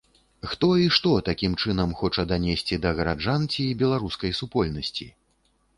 Хто і што такім чынам хоча данесці да гараджан ці беларускай супольнасці?